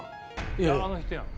いやあの人やん。